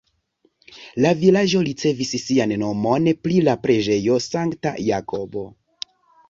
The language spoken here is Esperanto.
La vilaĝo ricevis sian nomon pri la preĝejo Sankta Jakobo.